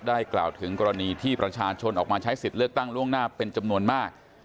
กล่าวถึงกรณีที่ประชาชนออกมาใช้สิทธิ์เลือกตั้งล่วงหน้าเป็นจำนวนมาก